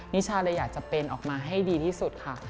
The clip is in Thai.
นิชาเลยอยากจะเป็นออกมาให้ดีที่สุดค่ะ